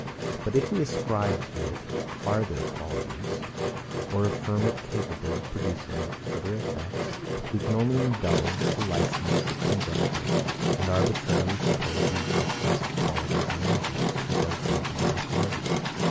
But if we ascribe to it farther qualities, or affirm it capable of producing other effects, we can only indulge the licence of conjecture, and arbitrarily suppose the existence of qualities and energies, without reason or authority.